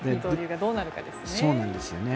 どうなるかですね。